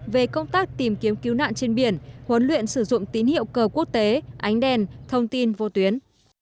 về công tác tìm kiếm cứu nạn trên biển huấn luyện sử dụng tín hiệu cờ quốc tế ánh đèn thông tin vô tuyến